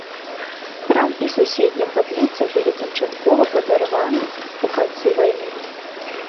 Храм і суседняя капліца былі канчаткова падарваны ў канцы вайны.